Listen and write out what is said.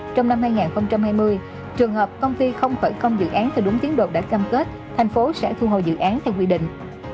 trong năm hai nghìn hai mươi trường hợp công ty không khởi công dự án theo đúng tiến độ đã cam kết thành phố sẽ thu hồi dự án theo quy định